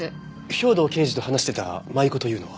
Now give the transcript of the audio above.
兵藤刑事と話してた舞妓というのは？